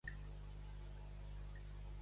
En temps de carestia no hi ha forment segon.